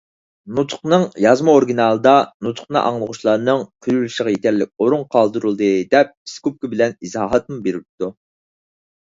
نۇتۇقنىڭ يازما ئورىگىنالىدا «نۇتۇقنى ئاڭلىغۇچىلارنىڭ كۈلۈۋېلىشىغا يېتەرلىك ئورۇن قالدۇرۇلدى» دەپ ئىسكوپكا بىلەن ئىزاھاتمۇ بېرىپتۇ.